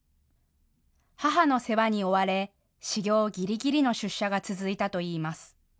母の世話に追われ始業ぎりぎりの出社が続いたといいます。